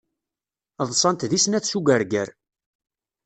Ḍsant di snat s ugarger.